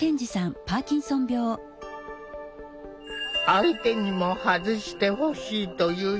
「相手にも外してほしい」という人も。